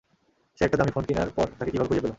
সে একটা দামী ফোন কিনার পর তাকে কীভাবে খুঁজে পেল?